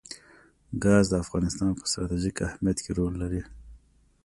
ګاز د افغانستان په ستراتیژیک اهمیت کې رول لري.